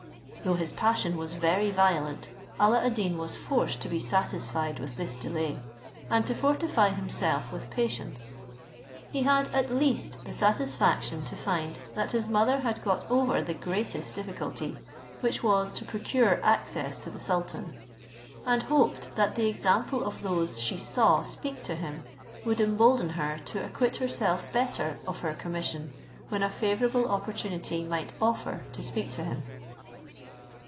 Though his passion was very violent, Alla ad Deen was forced to be satisfied with this delay, and to fortify himself with patience. He had at least the satisfaction to find that his mother had got over the greatest difficulty, which was to procure access to the sultan, and hoped that the example of those she saw speak to him would embolden her to acquit herself better of her commission when a favourable opportunity might offer to speak to him.